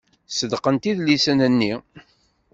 Ṣeddqent idlisen-nni.